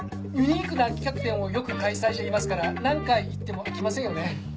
ユニークな企画展をよく開催していますから何回行っても飽きませんよね。